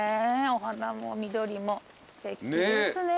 お花も緑もすてきですね。